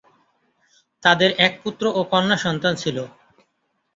তাদের এক পুত্র ও কন্যা সন্তান ছিল।